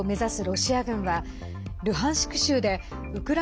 ロシア軍はルハンシク